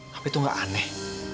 tapi itu gak aneh